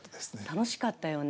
楽しかったよね。